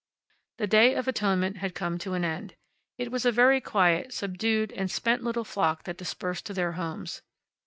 The Day of Atonement had come to an end. It was a very quiet, subdued and spent little flock that dispersed to their homes.